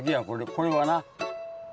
これはな。